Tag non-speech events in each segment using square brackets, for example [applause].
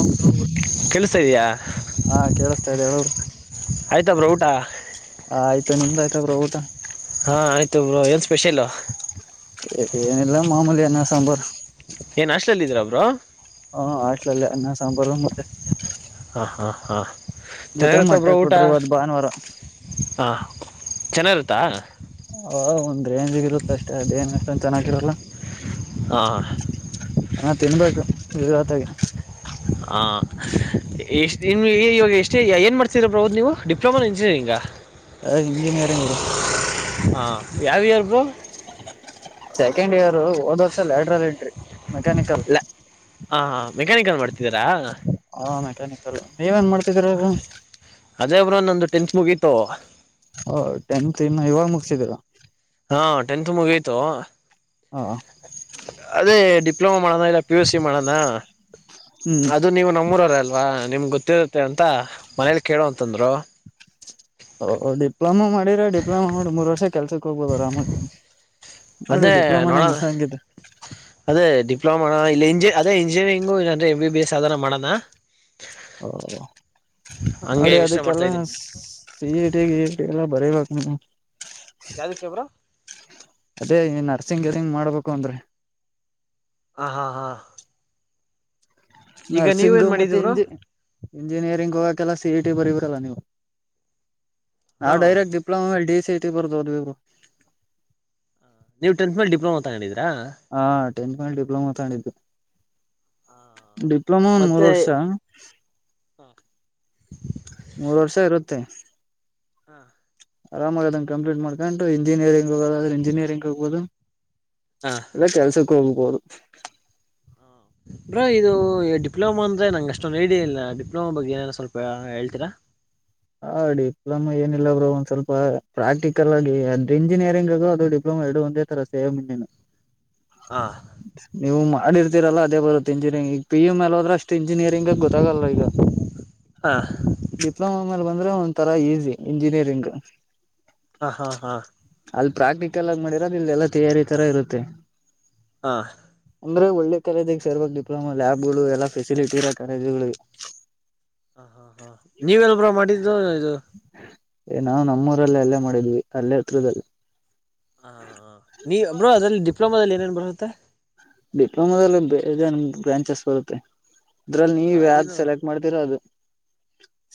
ಹ ಕೆಳಸ್ತಾ ಇದೀಯಾ. ಹಾ ಕೇಳಿಸ್ತಾ ಇದೆ ಹೇಳು ಆಯ್ತಾ ಬ್ರೋ ಊಟ. ಆಯ್ತು ನಿಮ್ದ ಆಯ್ತ ಬ್ರೋ ಊಟ ಹ್ಮ್ಮ್ ಆಯ್ತು ಬ್ರೋ ಏನು ಸ್ಪೇಸಿಯಲ್. ಏನಿಲ್ಲ ಮಾಮೂಲಿ ಅನ್ನ ಸಾಂಬಾರು. ಏನು ಹಾಸ್ಟೆಲ್ ಅಲ್ಲಿ ಇದೀರಾ ಬ್ರೋ. ಹ್ಮ್ಮ ಹಾಸ್ಟೆಲ್ ಅಲ್ಲೇ ಅನ್ನ ಸಾಂಬರ ಮತ್ತೆ. ಹ್ಮ್ ಹ್ಮ್. ಜೊತೆ ಚೆನ್ನಾಗಿರುತ್ತ ಮೊಟ್ಟೆ ಬ್ರೋ ಊಟ ಕೊಟ್ರಿ ಇವತ್ತು ಭಾನುವಾರ ಹ್ಮ್ ಚೆನ್ನಾಗಿರುತ್ತೆ. ಹ ಒಂದ ರೆಂಜಗೆ ಇರುತ್ತ ಅಷ್ಟೇ ಅದು ಏನು ಅಷ್ಟೊಂದ ಚೆನ್ನಾಗಿರಲ್ಲ. ಹಾ ಅಂಗೆ ತಿನ್ಬೇಕು [unintelligible] ಹ್ಮ ಎಷ್ಟ್ ಇವಾಗ ಎಷ್ಟೇ ಏನ್ ಮಾಡ್ತೀರ ಬ್ರೋ ನೀವು. ಡಿಪ್ಲೊಮಾ ಇಂಜಿನಿಯರಿಂಗಾ ಇಂಜಿನಿಯರಿಂಗ್ ಬ್ರೋ ಹಾಂ. ಯಾವ ಇಯರ್ ಬ್ರೋ. ಸೆಕೆಂಡ್ ಇಯರ್ ಹೋದ ವರ್ಷ ಲ್ಯಾಟರಲ್ ಎಂಟ್ರಿ ಮೆಕ್ಯಾನಿಕಲ್. ಹ್ಮ್ ಹ್ಮ್ ಮೆಕಾನಿಕಲ ಮಾಡತಿ. ಹಾ ಮೆಕ್ಯಾನಿಕಲ್ ನೀವ ಎನ್ ಮಾಡತಾ ಇದೀರಾ ಬ್ರೋ. ಅದೇ ಬ್ರೋ ನಂದು ಟೆಂತ್ ಮುಗೀತು. ಹೋ ಟೆಂತ್ ಇನ ಇವಾಗ ಮುಗಿಸಿದ್ದೀರಾ. ಹಾ ಟೆಂತ್ ಮುಗಿಯಿತು. ಹಾ ಅದೇ ಡಿಪ್ಲೊಮಾ ಮಾಡಣ ಇಲ್ಲ ಪಿ ಯು ಸಿ ಮಾಡಣ. ಹ್ಮ್ ಅದು ನೀವು ನಮ್ಮೂರ ಅವರೇ ಅಲ್ವಾ ನಿಮ್ ಗೊತ್ತ. ಗೋತಿರುತ್ತೆ ಅಂತ ಮನೇಲಿ ಕೇಳು ಅಂತಂದ್ರು. ಹ ಡಿಪ್ಲೊಮಾ ಮಾಡಿದರ ಡಿಪ್ಲೊಮಾ ಮಾಡಿ ಮೂರ್ ವರ್ಷ ಕೆಲ್ಸಕ್ ಹೋಗ್ಬೋದು ಅರಾಮ ಆಗಿ. ನೋಡಿ ಅದೇ ಡಿಪ್ಲೊಮ ನೆ ಮಾಡೋ ಆಗಿದ್ರೆ. ಡಿಪ್ಲೋಮ ಮಾಡೋಣ ಇಲ್ಲಿ ಇಂಜ ಅದೇ ಇಂಜಿನಿಯರಿಂಗು ಇಲ್ಲ ಎಂ ಬಿ ಬಿ ಎಸ್ ಯಾವುದರ ಮಾಡೋಣ. ಓ ಹಂಗೆ ನಡಿ ಯೋಚನೆ ಮಾಡ್ತಾ ಅದಕ್ಕೆಲ್ಲ ಇದ್ದೀನಿ ಸಿ ಇ ಟಿ ಗಿ ಇ ಟಿ ಎಲ್ಲ. ಬರಿಬೇಕು ನೀ ಯಾದಕ್ಕೆ ಬ್ರೋ ಅದೇ ನರ. ನರ್ಸಿಂಗ್ ಗಿರ್ಸಿಂಗ್ ಮಾಡಬೇಕು ಅಂದ್ರೆ. ಹ್ಮ್ ಹ್ಮ್ ಹ್ಮ್. ನರ್ಸಿಂಗ್ ಮತ್ತೆ ಬ್ರೋ ಇಂಜ ಇಂಜಿನಿಯರಿಂಗ್ ಹೋಗಕೆಲ್ಲ ಸಿ ಇ ಟಿ ಬರಿಬೇಕು. [unintelligible] ಹಾ ನಾವು ಡೈರೆಕ್ಟ್ ಡಿಪ್ಲೋಮ ಮೇಲೆ ಡಿ ಸಿ ಇ ಟಿ. ಬರದು ಓದಿವಿ ಬ್ರೋ. ನೀವು ಟೆಂತ್ ಮೇಲೆ ಡಿಪ್ಲೋಮ ತಗೊಂಡಿದಿರಾ. ಹ್ಮ್ ಟೆಂತ್ ಮೇಲೆ ಡಿಪ್ಲೋಮಾ ತಗೊಂಡಿದು. ಡಿಪ್ಲೊಮಾ ಮೂರು ಮತ್ತೆ ವರ್ಷ. ಮೂರ ವರ್ಷ ಇರುತ್ತೆ. ಹಾ ಆರಾಮಾಗಿದನ ಕಂಪ್ಲೀಟ್ ಮಾಡ್ಕೊಂಡು ಇಂಜಿನಿಯರಿಂಗ್ ಹೋಗೋದದ್ರೆ ಇಂಜಿನಿಯರಿಂಗ್ ಹೋಗಬಹುದು ಹಾ ಎಲ್ಲ ಕೆಲಸಕ್ಕ ಹೋಗಬಹುದು ಹಾ ಬ್ರೋ ಇದು ಡಿಪ್ಲೊಮಾ ಅಂದ್ರೆ ನಂಗ ಅಷ್ಟೊಂದ ಐಡಿಯ ಇಲ್ಲ ಡಿಪ್ಲೊಮಾ ಬಗ್ಗೆ ಏನಾರು ಸ್ವಲ್ಪ ಹೇಳ್ತೀರಾ ಹ ಡಿಪ್ಲೊಮ ಏನಿಲ್ಲ ಬ್ರೋ ಒಂದ್ ಸ್ವಲ್ಪ ಪ್ರಾಕ್ಟಿಕಲ್ ಆಗಿ ಅಂದ್ರ ಇಂಜಿನಿಯರಿಂಗು ಅದು ಡಿಪ್ಲೊಮಾ ಹ್ಮ್ ಎರಡು ಒಂದೇ ತರ ಸೇಮ್ ಇನ್ನೆನ್ನು ಹಾ ನೀವು ಮಾಡಿರ್ತೀರಲ್ಲ ಅದೇ ಬರುತ್ತೆ ಇಂಜಿನಿಯರಿಂಗ್ ಈಗ ಪಿ ಯು ಮೇಲ್ಲ ಹೋದ್ರ ಅಷ್ಟ ಇಂಜಿನಿಯರಿಂಗ್ ಗೊತ್ತಾಗಲ್ಲ ಈಗ ಹಾ ಡಿಪ್ಲೋಮ ಬಂದ್ರೆ ಒಂದ ತರ ಈಸಿ ಇಂಜಿನಿಯರಿಂಗ್ ಹ ಹಾ ಹಾ ಅಲ್ಲ ಪ್ರಾಕ್ಟಿಕಲ್ ಆಗಿ ಮಾಡಿರೋದು ಇಲ್ಲ ಎಲ್ಲ ತೆಯರಿ ತರ ಇರುತ್ತೆ ಹ ಅಂದ್ರೆ ಒಳ್ಳೆ ಕಾಲೇಜಿಗೆ ಸೇರಬೇಕ್ ಡಿಪ್ಲೋಮಾ ಲ್ಯಾಬ್ ಗಳು ಎಲ್ಲಾ ಫೆಸಿಲಿಟಿ ಇರ ಕಾಲೇಜುಗಳಿಗೆ ಹ ಹಾ ಹಾ ನೀವೆಲ್ ಬ್ರೋ ಮಾಡಿದ್ದು ಇದು ಏ ನಾವು ನಮ್ಮೂರಲ್ಲೆ ಅಲ್ಲೇ ಮಾಡಿದ್ವಿ ಅಲ್ಲೆ ಹತ್ರದಲ್ಲಿ ಹ ನೀ ಬ್ರೋ ಅದ್ರಲ್ಲಿ ಡಿಪ್ಲೊಮಾದಲ್ಲಿ ಏನೇನ್ ಬರುತ್ತೆ ಡಿಪ್ಲೊಮಾದಲ್ಲಿ ಬೇಜಾನ ಬ್ರಾಂಚಸ್ ಬರುತ್ತೆ ಅದ್ರಲ್ಲಿ ನೀವ ಹ ಯಾವ್ದ್ ಏನು ಸೆಲೆಕ್ಟ್ ಮಾಡ್ತೀರಾ ಅದು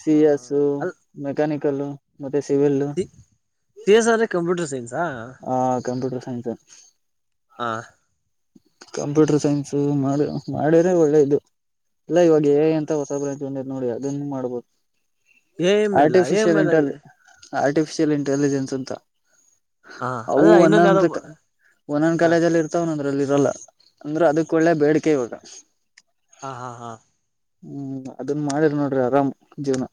ಸಿ ಎಸ್ ಅಲ್ ಮೆಕಾನಿಕಲ್ ಮತ್ತೆ ಸಿವಿಲ್ ಸಿ ಸಿ ಎಸ್ ಅಂದ್ರೆ ಕಂಪ್ಯೂಟರ್ ಸೈನ್ಸ್ ಹಾ ಕಂಪ್ಯೂಟರ್ ಸೈನ್ಸ್ ಹಾ ಕಂಪ್ಯೂಟರ್ ಸೈನ್ಸ್ ಮಾಡ ಮಾಡ್ಯ್ರೆ ಒಳ್ಳೇದು ಇಲ್ಲ ಇವಾಗ ಎಂತ ಹೊಸದ ಬ್ರಾಂಚ್ ಬಂದ್ಯತ ನೋಡಿ ಅದನ್ನ ಮಾಡ್ಬೋದು A M L A M artificial L ಇಂಟಲಿ artificial intelligence ಅಂತ ಹ ಅಲ್ಲ ಅವು ಇನ್ನೊಂದ ಯಾವ್ದೋ ಒಂದೊಂದ ಒಂದೊಂದ ಹ ಕಾಲೇಜ ಅಲ್ಲಿ ಇರ್ತಾವ ಒಂದೊದ್ರಲ್ಲಿ ಇರಲ್ಲ ಅಂದ್ರ ಅದಕ್ ಒಳ್ಳೆ ಬೇಡಿಕೆ ಇವಾಗ ಹಾ ಹಾ ಹಾ ಹ್ಮ್ ಅದನ್ ಮಾಡಿರಿ ನೋಡ್ರಿ ಆರಾಮ್ ಜೀವನ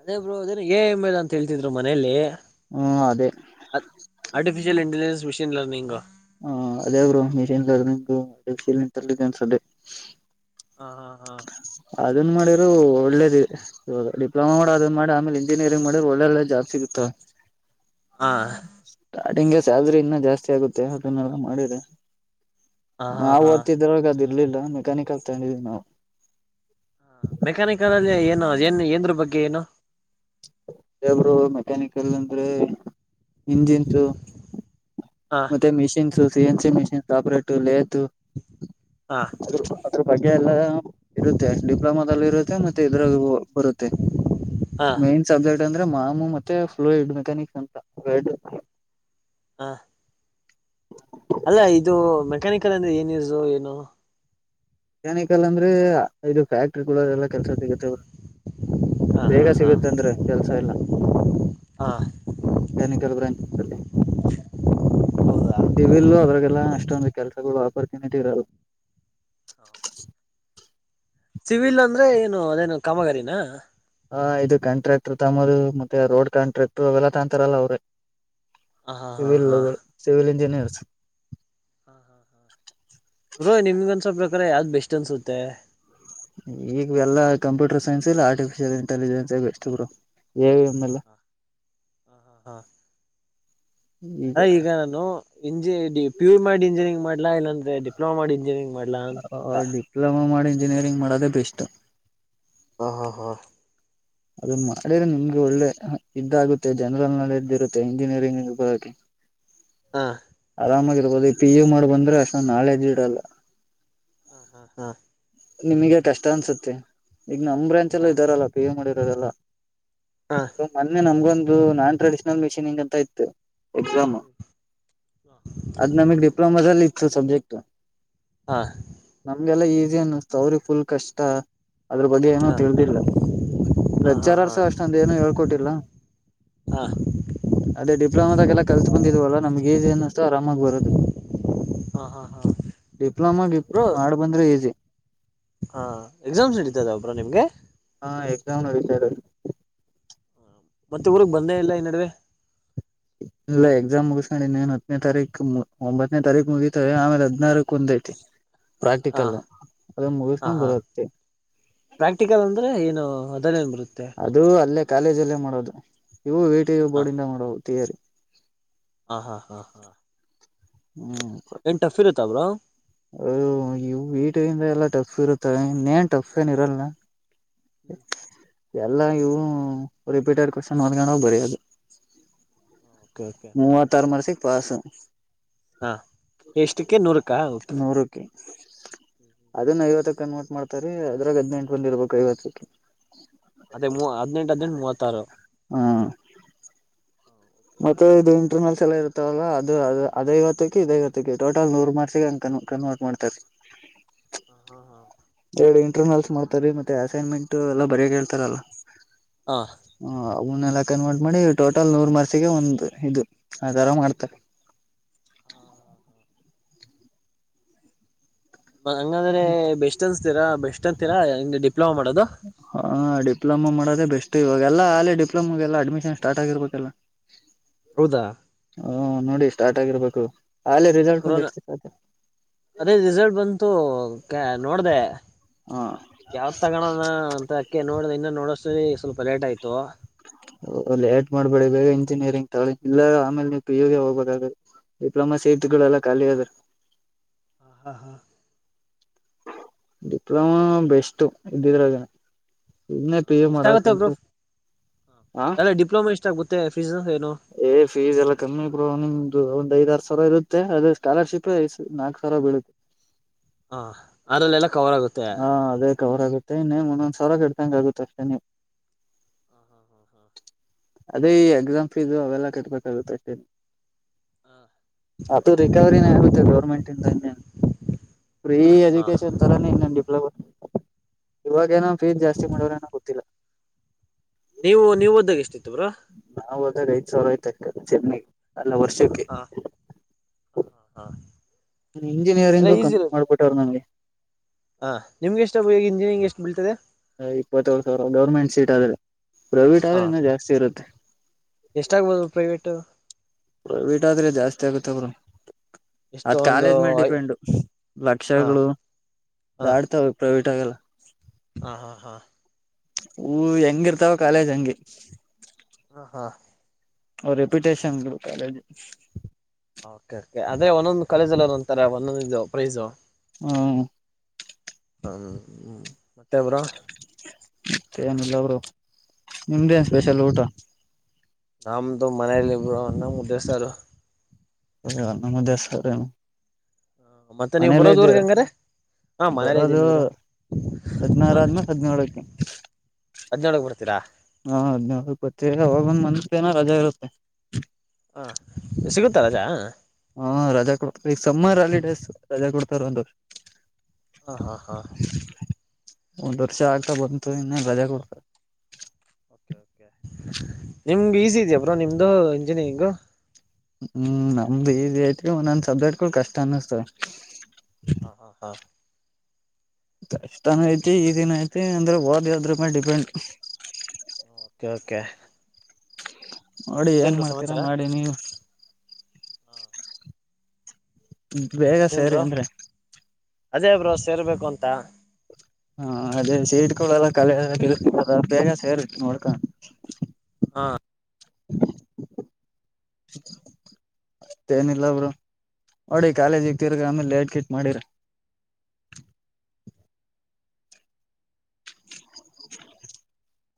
ಅದೇ ಬ್ರೋ ಅದೇನ್ ಎ ಐ ಎಮೇಲ ಅಂತ ಹೇಳ್ತಿದ್ರು ಮನೇೆಯಲ್ಲಿ ಹ್ಮ್ ಅದೇ ಆರಟ್ಟಿಫಿಷಿಯಲ್ ಇಂಟೆಲಿಜೆನ್ಸ್ ಮಿಷನ್ ಲರ್ನಿಂಗ ಹ ಅದೇ bro machine learning artificial intelligence ಅದೆ ಹಾ ಹಾ ಹಾ ಅದನ್ ಮಾಡಿ ಒಳ್ಳೇದ ಡಿಪ್ಲೊಮಾ ಮಾಡ ಅದ್ ಮಾಡಿ ಆಮೇಲೆ ಇಂಜಿನಿಯರಿಂಗ್ ಮಾಡಿದ್ರೆ ಒಳ್ಳೆಳ್ಳೆ ಜಾಬ್ ಸಿಗುತ್ತ ಹಾ ಅದು ಹಿಂಗೆ ಸ್ಯಾಲ್ರಿ ಇನ್ನ ಜಾಸ್ತಿ ಆಗುತ್ತೆ ಅದನ್ನೆಲ್ಲ ಮಾಡಿದೆ ಹಾ ನಾವು ಹಾ ಹಾ ಓದತಿದ್ರಾಗ ಅದು ಇರ್ಲಿಲ್ಲ ಮೆಕ್ಯಾನಿಕ್ ತಗೊಂಡಿದೀವಿ ನಾವು ಮೆಕ್ಯಾನಿಕಲ್ಲ್ಲ ಏನು ಏನ್ದ್ರ ಬಗ್ಗೆ ಏನು ಅದೇ ಬ್ರೋ ಮೆಕ್ಯಾನಿಕಲ್ ಅಂದ್ರೆ ಇಂಜಿನ್ ತ್ರು ಹ ಮತ್ತೆ machines C N C machines ಆಪರೇಟ. ಹ ಅದ್ರ ಬಗ್ಗೆ ಎಲ್ಲ ಇರುತ್ತೆ ಡಿಪ್ಲೊಮಾದಲ್ಲಿ ಇರುತ್ತೆ ಮತ್ತೆ. ಇದ್ರಾಗು ಬರುತ್ತೆ ಹ ಮೈನ್ ಸಬ್ಜೆಕ್ಟ್. ಅಂದ್ರೆ ಮಾಮು ಮತ್ತೆ ಫ್ಲೋಯಡ್ ಮೆಕ್ಯಾನಿಕ್ಸ್ ಅಂತ. ಹಾ. ಮೆಕ್ಯಾನಿಕಲ್ ಅಂದ್ರೆ ಏನ್ ಯೂಸು ಏನು. ಮೆಕ್ಯಾನಿಕಲ್ ಅಂದ್ರೆ ಇದು ಫ್ಯಾಕ್ಟ್ರಿಗಳ ಎಲ್ಲಾ ಕೆಲ್ಸ ಸಿಗತ್ತ ಅವರು. ಹ ಹಾ ಬೇಗ ಹಾ ಸಿಗುತ್ತೆಂದ್ರೆ ಕೆಲ್ಸ ಎಲ್ಲ ಹಾ ಮೆಕ್ಯಾನಿಕಲ್ ಬ್ರಾಂಚ್ ಅಲ್ಲಿ ಹೌದಾ ಈ ಸಿವಿಲ್ಲು ಅದರಾಗೆಲ್ಲ ಅಷ್ಟೊಂದು ಕೆಲಸಗಳು ಆಪರ್ಚುನಿಟಿ ಇರಲ್ಲ. ಸಿವಿಲ್ ಅಂದ್ರೆ ಏನು ಅದೇನು ಕಾಮಗಾರಿನ. ಹ ಇದು ಕಾಂಟ್ರಾಕ್ಟ್ರ್ ತಮರು ಮತ್ತೆ ರೋಡ್ ಕಾಂಟ್ರಾಕ್ಟ್ರ್ ಅವೆಲ್ಲಾ ತಂತರಲ್ಲ ಅವ್ರೆ. ಹ ಹಾ ಹಾ ಹಾ ಸಿವಲ್ ಇಂಜಿನಿಯರ್ಸ್. ಹಾ ಹಾ ಅಂದ್ರೆ ಯಾವ್ದ್ ಬೆಸ್ಟ್ ಅನ್ಸುತ್ತೆ. ಇಗ್ ಎಲ್ಲಾ ಕಂಪ್ಯೂಟರ್ ಸೈನ್ಸ್ ಇಲ್ಲ artificial intelligence best bro. A I ಅಂದ್ನಲ್ಲ. ಹ ಈಗ ನಾನು ಇಂಜಿ ಪಿ ಯು ಮಾಡ್ ಇಂಜಿನಿಯರಿಂಗ್ ಮಾಡ್ಲಾ ಇಲ್ಲ ಅಂದ್ರೆ ಡಿಪ್ಲೋಮೊ ಮಾಡ್ ಇಂಜಿನಿಯರಿಂಗ್. ಮಾಡ್ಲಾ ಅಂತ ಹ ಡಿಪ್ಲೊಮೊ ಮಾಡ್ ಇಂಜಿನಿಯರಿಂಗ್ ಮಾಡೋದೇ ಬಿಷ್ಟು. ಹಾ ಹಾ ಹಾ. ಅದುನ್ ಮಾಡಿದ್ರೆ ನಿಮ್ಗೆ ಒಳ್ಳೆ ಇದಾಗುತ್ತೆ ಜನರಲ್ ನಾಲೆಡ್ಜ್ ಇರುತ್ತೆ ಇಂಜಿನಿಯರಿಂಗಿಗ್ ಓದಾಕೆ. [inaudible] ಆರಾಮಾಗಿರ್ರ್ಬವ್ದು ಈ ಪಿ ಯು ಮಾಡ್ ಬಂದ್ರೆ ಅಷ್ಟೊಂದ್ ನಾಲೆಡ್ಜ್ಜು ಇರಲ್ಲ. ಹಾ ಹಾ ಹಾ. ನಿಮಗೆ ಕಷ್ಟ ಅನ್ಸತ್ತೆ ಇಗ್ ನಮ್ ಹಾ ಬ್ರಾಂಚ್ನಲ್ಲೂ ಇದ್ದಾರಲ್ಲ ಪಿ ಯು ಮಾಡಿರೋರೆಲ್ಲ. ಹಾ ಮೊನ್ನೆ ನಮ್ಗೊಂದು ನಾನ್ ಟ್ರೆಡಿಷನಲ್ ಮಿಷಿನಿಂಗ್ ಅಂತ ಇತ್ತು. ಎಕ್ಸಾಮೂ ಅದ್ ನಮಿಗ್ ಡಿಪ್ಲೋಮೊ ದಲ್ ಇತ್ತು ಸಬ್ಜೆಕ್ಟ್ಟು. ಹಾ ಹಾ ನಮ್ಗೆಲ್ಲ ಈಜಿ ಅನ್ನುಸ್ತು ಅವ್ರಿಗ್ ಫುಲ್ ಕಷ್ಟ. ಅದ್ರ ಬಗ್ಗೆ ಹಾ ಏನೂ ಹಾ ತಿಳ್ದಿಲ್ಲ ಹಾ ಲೆಕ್ಚರರ್ಸು ಹಾ ಅಷ್ಟೊಂದ್ ಏನು ಹೇಳ್ಕೊಟ್ಟಿಲ್ಲ. ಅದೇ ಡಿಪ್ಲೊಮೊದಗೆಲ್ಲ ಕಲ್ತ್ಬಂದಿದೀವಲ್ಲ ನಮ್ಗ ಈಜಿ ಅನ್ನುಸ್ತು ಆರಾಮಾಗ್ ಬರುದ್ವಿ. ಹಾ ಹಾ ಹಾ ಡಿಪ್ಲೊಮಾ ಡಿಪ್ ಬ್ರೋ ಮಾಡ ಬಂದ್ರೆ ಈಸ್ಯ್. ಹಾ ಎಕ್ಸಾಮ್ಸ್ ನಡೀತದವ್ ಬ್ರೋ ನಿಮ್ಗೆ. ಹ ಎಕ್ಸಾಮ್ ನೆಡಿತಾದವೇ. ಮತ್ತೆ ಊರಿಗ್ ಬಂದೆ ಇಲ್ಲ ಈ ನಡುವೆ. ಇಲ್ಲ ಎಕ್ಸಾಮ್ ಮುಗಿಸ್ಕೊಂಡ್ ಇನ್ನೇನ್ ಹತ್ನೆ ತಾರೀಕ್ ಒಂಬತ್ನೆ ತಾರೀಕ್ ಮುಗಿತವೆ ಆಮೇಲೆ ಹದ್ನಾರಕ್ ಒಂದ್ ಐತಿ. ಹ ಪ್ರಾಕ್ಟಿಕಲ್ಲು ಅದುನ್ ಹ ಮೂಗುಸ್ಕಡ್ ಹಾ ಬರುತೀನ್. ಪ್ರಾಕ್ಟಿಕಲ್ ಅಂದ್ರೆ ಏನು ಅದಲ್ಲೇನ್ ಬರುತ್ತೆ ಅದುೂ ಅಲ್ಲೇ ಕಾಲೇಜಲ್ಲೇ ಮಾಡೋದು ಇವು ವಿ ಟಿ ಯು ಹ ಬೋರ್ಡಿಂದ ಮಾಡೋವು ಥೀಯೇರಿ. ಹ ಹಾ ಹಾ ಹಾ. ಹ್ಮ್. ಏನ್ ಟಫ್ ಇರುತ್ತಾ ಬ್ರೋ. ಲೋ ಈವ್ ವೀಟಿಂದ ಎಲ್ಲಾ ಟಫ್ ಇರುತ್ತ ನೇನ್ ಟಫ್ ಏನ್ ಇರಲ್ಲ. [inaudible] ಎಲ್ಲ ಇವು ರಿಪೀಟೆಡ್ ಕ್ವೆಶ್ಚನ್ ಹೊಂದ್ಕೊಂಡೊಗ್ ಬರಿಯದು. ಓಕೆ ಓಕೆ ಮೂವತ್ತಾರ್ ಮಾರ್ಕ್ಸ್ಸಿಗ್ ಪಸು. ಹಾ ಎಷ್ಟಕ್ಕೆ ನೂರುಕ. ಅದನ್ ಐವತ್ತುಕ್ ಕನ್ವರ್ಟ್ ಮಾಡ್ತಾರೇ ಅದ್ರಾಗ್ ಹದ್ನೆಂಟ್ ಬಂದಿರ್ರ್ಬೇಕು ಐವತ್ತುಕ್ಕೆ. ಅದೇ ಮೂ ಹಾದ್ನೆಂಟ್ ಹದ್ನೆಂಟ್ ಮೂವತ್ತಾರು. ಹಾ ಓಕೆ ಓಕೆ ಮತ್ತೆ ಇದು ಓಕೆ ಇಂಟರ್ನಲ್ಸ್ ಎಲ್ಲ ಇರ್ತವಲ್ಲ ಅದು ಅದ್ ಐವತ್ತಕ್ಕೆ ಇದ್ ಐವತ್ತಕ್ಕೆ ಟೋಟಲ್ ನೂರ್ ಮಾರ್ಸಿಗೆ ಅಂಕ. ಹಾ ಕನ್ವರ್ಟ್ ಮಾಡ್ತಾರೆ. ಹ ಹಾ ಹಾ. ಎರ್ಡ್ ಇಂಟರ್ನಲ್ಸ್ ಮಾಡ್ತಾರೆ ಮತ್ತೆ ಅಸೈನ್ಮೆಂಟ್ ಅವೆಲ್ಲ ಬರಿಯಾಕ್ ಹೇಳ್ತಾರಲ್ಲ. ಹಾ. ಇವುನೆಲ್ಲ ಕನ್ವರ್ಟ್ ಮಾಡಿ ಟೋಟಲ್ ನೂರ್ ಮರ್ಸಿಗೆ ಒಂದ್ ಇದು ಅತರ ಮಾಡ್ತಾರೆ. ಹಾ ಹಾ ಹಾ. ಮತ್ ಹಂಗಂದ್ರೆ ಬೆಸ್ಟ್ ಅನ್ಸ್ತಿರ ಬೆಸ್ಟ್ ಅಂತೀರಾ ಇಂಗ್ ಡಿಪ್ಲೋಮೋ ಮಾಡದು. ಹಾ ಡಿಪ್ಲೊಮೊ ಮಾಡದೆ ಬೆಸ್ಟು ಇವಾಗೆಲ್ಲಾ ಆಲೇ ಡಿಪ್ಲೊಮೊಗೆಲ್ಲಾ ಅಡ್ಮಿಷನ್ ಸ್ಟಾರ್ಟ್ ಆಗಿರ್ಬೇಕಲ್ಲ. ಹೌದಾ ಹೂ ನೋಡಿ ಸ್ಟಾರ್ಟಗಿರ್ಬೇಕು. ಅಲ್ಲೇ ರಿಸಲ್ಟ್ ಬ್ರೋ ಬಂದ್ ಎಷ್ಟ್ದಿನಾತು. ತೋ ಕೆ ನೋಡ್ದೆ ಹ ಯಾವ್ದ್ ತಗಣನ ಅಂತ. ಕೆ ನೋಡ್ದೆ ಇನ್ನ ನೋಡೊ ಅಸ್ಟೊತ್ತಿಗೆ ಸ್ವಲ್ಪ ಲೇಟ್ ಆಯ್ತು. ಲೇಟ್ ಮಾಡ್ಬೇಡಿ ಬೇಗ ಇಂಜಿನಿಯರಿಂಗ್ ತಗಳಿ ಇಲ್ಲ ಆಮೇಲ್ ನೀವ್ ಪಿ ಯುಗೆ ಹೋಗ್ಬೇಕಾಗ್. ಡಿಪ್ಲೊಮೊ ಸೇಟ್ಗಳೆಲ್ಲ ಕಲಿ ಅವೆ. ಆ ಹಾ ಹಾ ಡಿಪ್ಲೊಮಾ ಬೆಸ್ಟ್ ಇದ್ದಿದ್ರದನ. ಹ ಎಷ್ಟ ಆಾಗುತ್ತೆ ಒಬ್ರು ಹ ಆ ಎಲ್ಲ ಡಿಪ್ಲೋಮಾ ಎಷ್ಟಾಗುತ್ತೆ. ಏ ಫೀಸ್ ಎಲ್ಲ ಕಮ್ಮಿ ನಿಮ್ದು ಒಂದ್ ಐದ್ರ ಸಾವಿರ ಸಾವರ ಇರುತ್ತೆ ಅದ ಸ್ಕಾಲರ್ಶಿಪ್ ಐ ನಾಲ್ಕು ಸಾವಿರ ಬೀಳುತ್ತೆ. ಹಾ ಅದ್ರಲ್ಲೆಲ್ಲ ಕವರ್ ಆಗುತ್ತೆ. ಮತ್ತನ ಮೊ್ ಸಲ ಕಡ್ತಂಗ ಆಗುತ್ತಷ್ಟೆ ನೀವು ಹಾ ಹಾ ಅದೇ ಈ ಎಕ್ಸಾಮ್ ಫೀಸ್ ಅವೆಲ್ಲ ಕಟ್ಬೇಕಾಗುತ್ತೆೇ ಹಾ ಅದು ರಿಕವರಿನ ಆರುತ್ತೆ ಗೌರ್ಮೆಂಟ್ಂದ ಫ್ರೀ ಹಾ ಹಾ ಎಜುಕೇಶನ್ ತರ ನೀ ಇನ್ನನ್ ಡಿಪ್ಲೊಮಾ ಹಾ ಇವಾಗೇನೋ ಫೀಸ್ ಜಾಸ್ತಿ ಮಾಡೋರ್ ಏನೋ ಗೊತ್ತಿಲ್ಲ ನೀವು ನೀವು ಓದ್ದಾಗ ಎಷ್ಟಿತ್ತು? ಬ್ರೋ ನಾವು ಹೋದಾಗ ಐದು ಸಾವಿರ ಆಯ್ತ ಚೆನ್ನೈ, ಅಲ್ಲ ವರ್ಷಕ್ಕೆ. ಹಾ ಹ ಇಂಜಿನಿಯರಿಂಗು ಕಂಪ್ಲೀಟ್ ಮಾಡ್ಬಿಟ್ಟ್ರು ನಂಗೆ. ಹಾ ನಿಮ್ಗೆಷ್ಟ ಈ ಇಂಜಿನಿಯರಿಂಗ್ ಎಷ್ಟು ಬೀಳ್ತದೆ? ಇಪ್ಪತ್ತರ್ ಸಾವಿರ ಗೌರ್ಮೆಂಟ್ ಸೀಟ್ ಆದ್ರೆ ಪ್ರೈವೇಟ್ ಆದ್ರೆ ಇನ್ನೂ ಜಾಸ್ತಿ ಇರುತ್ತೆ. ಎಷ್ಟಾಗಗ್ಬೋದು ಪ್ರೈವೇಟ್? ಪ್ರೈವೇಟ್ ಆದ್ರೆ ಜಾಸ್ತಿ ಆಗುತ್ತ ಅವರು. ಎಷ್ಟೊ ಅದ್ ಒಂದು ಕಾಲೇಜ್ ಮೇಲೆ ಡಿಪೆಂಡ್ ಹ ಲಕ್ಷಗಳು ದಾಡ್ತವೆ ಪ್ರೈವಟ್. ಅಗಲ್ಲ ಹಾ ಹಾ ಹಾ ಹೂ ಹೆಂಗಿರ್ತಾವ ಕಾಲೇಜ್ ಹಂಂಗಗೆ ಹಾ ಹಾ ಅವ ರೆಪ್ಯುಟೇಷನ್ ಕಾಲೇಜ್, ಕೆ ಕೆ ಅದೇ ಒಂದೊಂದ್ ಕಾಲೇಜಲ್ಲಿ ಒಂತರ ಒಂದೊಂದ ಇದು ಪ್ರೈಸ, ಹ್ಮ ಹ್ಮ್ ಹ್ಮ್ ಮತ್ತೆಬ್ರು ಮತ್ತ ನಿಲ್ಲ ಬ್ರು ನಿಮ್ದೇನ್ ಸ್ಪೆಷಲ್ ಊಟ ನಮ್ದು ಮನೇಲಿ ಇಬ್ರು ಅನ್ನ ಮುದ್ದೆ ಸಾರು. ಹ ಅನ್ನಾ ಮುದ್ದೆ ಸಾರ್ ನ ಮತ್ತೆ ನೀವವು ಬರೋದವರ್ಗ್ ಹಂಗಾರ ಬರೋದು ಹದ್ನಾರು ಆದ್ಮ ಹದಿನೇಳಕ್ಕೆ ಹದಿನೇಳಕ್ ಬರ್ತಿರ? ಹಾ ಹದ್ರ್ಕ್ನಪ ಹೋಗೊಂದ್ ಮತ್ ಏನ ರಜಾ ಇರುತ್ತೆ ಸಿಗುತ ರಜಾ? ಹಾ ರಜಾ ಕೊಡ್ತಾರ ಈಗ ಸಮ್ಮರ್ ಅಲಿಡೇಸ್ ರಜಾ ಕೊಡ್ತಾರ ಒಂದುಷ ಹಾ ಹಾ ಹಾ ಒಂದ್ ವರ್ಷ ಆಗ್ತಾ ಬಂತು ಇನ್ನ ರಜೆ ಕೊಡ್ತಾರೆ ನಿಮ ಈಸಿ ಇದ್ಯ ಬ್ರ ನಿಮ್ದು ಇಂಜಿನಿಯರಿಂಗು, ಹ್ಮ್ ನಮ್ದ ಐತಿ ನನ್ ಸಬ್ಜಕ್ಟ್ ಕಷ್ಟ ಅನ್ನಿಸ್ತವ. ಹ ಹಾ ಹಾ ಕಷ್ಟಾನ ಐತಿ ಈ ದಿನ ಐತಿ ಅಂದ್ರೆ ವೋದಿದ್ರ ಮೇಲೆ ಡಿಪೆಂಡ್. ಒಕೆ ಒಕೆ ನೋಡಿ ಏನ್ ಮಾಡ್ತೀರಾ ಮಾಡಿ ನೀವು. ಬೇಗ ಇನ್ನೇನ್ ಸೇರಿ ಬ್ರೋ ಅಂದ್ರೆ ಅದೇ ಬ್ರೋ ಸೇರ್ಬೇಕು ಅಂತ. ಹಾ ಅದೇ ಸೇಡ್ಕಳಲ್ಲ ಕಳ ಬೇಗ ಸೇರಿ ನೋಡ್ಕ ಹಾ [unintelligible] ಅಷ್ಟೇಏನಿಲ್ಲ ಬ್ರೋ ನೋಡಿ ಕಾಲೇಜ್ಗ್ [unintelligible] ಆಮೇಲ್ ಲೇಟ್ ಗಿಟ್ ಮಾಡಿರ [inaudible]